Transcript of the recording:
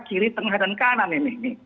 kiri tengah dan kanan ini